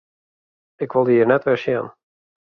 Ik wol dy hjir net wer sjen!